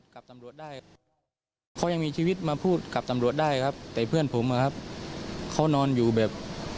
เขายังมีชีวิตมาพูดกับตำรวจได้แต่เพื่อนผมเขานอนอยู่แบบ